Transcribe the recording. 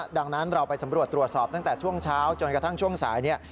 ดังนั้นเราไปสำรวจตรวจสอบตั้งแต่ช่วงเช้าจนกระทั่งช่วงสายเนี่ย